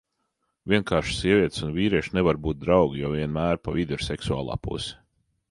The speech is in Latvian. Vienkārši sievietes un vīrieši nevar būt draugi, jo vienmēr pa vidu ir seksuālā puse.